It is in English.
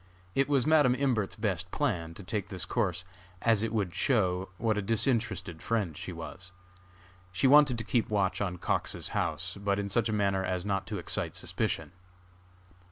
It was Madam Imbert's best plan to take this course, as it would show what a disinterested friend she was. She wanted to keep watch on Cox's house, but in such a manner as not to excite suspicion.